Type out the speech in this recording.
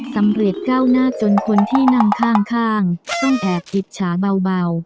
เรียดก้าวหน้าจนคนที่นั่งข้างต้องแอบอิจฉาเบา